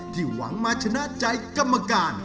หวังมาชนะใจกรรมการ